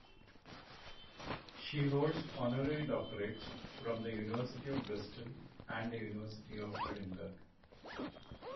She holds honorary doctorates from the University of Bristol and the University of Edinburgh.